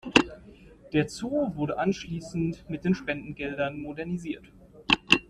Der Zoo wurde anschließend mit den Spendengeldern modernisiert.